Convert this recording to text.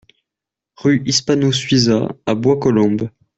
Rue Hispano Suiza à Bois-Colombes